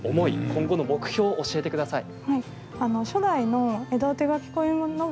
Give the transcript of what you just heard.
今後の目標を教えてください。